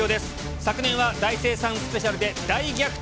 昨年は大精算スペシャルで大逆転。